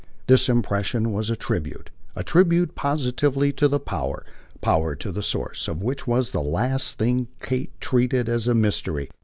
This impression was a tribute, a tribute positively to power, power the source of which was the last thing Kate treated as a mystery.